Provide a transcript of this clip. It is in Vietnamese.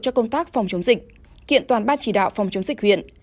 cho công tác phòng chống dịch kiện toàn ban chỉ đạo phòng chống dịch huyện